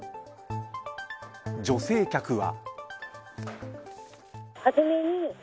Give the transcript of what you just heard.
女性客は。